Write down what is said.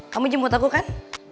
kamu jemput aku kan